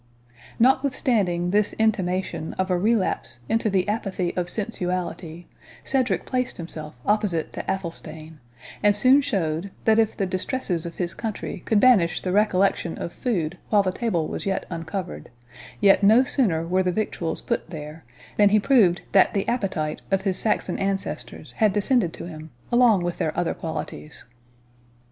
Notwithstanding this intimation of a relapse into the apathy of sensuality, Cedric placed himself opposite to Athelstane, and soon showed, that if the distresses of his country could banish the recollection of food while the table was uncovered, yet no sooner were the victuals put there, than he proved that the appetite of his Saxon ancestors had descended to him along with their other qualities.